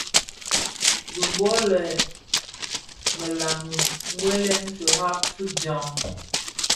Dhi bō lè më lami wuèle firab fi djaň.